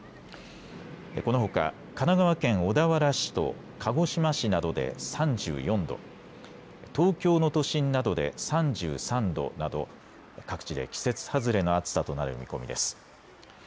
このほか神奈川県小田原市と鹿児島市などで３４度、東京の都心などで３３度など各地で季節外れの暑さとなる見込みです。